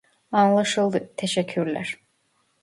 Anlaşıldı teşekkürler.